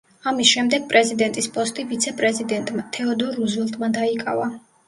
ამის შემდეგ პრეზიდენტის პოსტი ვიცე-პრეზიდენტმა თეოდორ რუზველტმა დაიკავა.